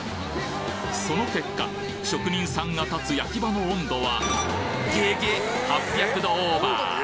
その結果、職人さんが立つ焼き場の温度はげげ、８００度オーバー。